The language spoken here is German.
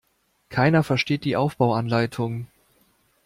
Keiner versteht die Aufbauanleitung.